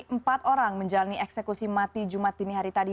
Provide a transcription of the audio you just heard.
empat orang menjalani eksekusi mati jumat dini hari tadi